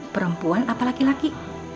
perempuan apa laki laki